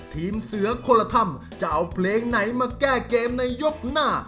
ทีมเสือคนละท่ำจะเอาเพลงไหนมาแก้เกมในยกหน้า